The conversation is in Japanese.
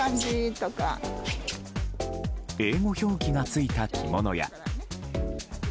英語表記がついた着物や。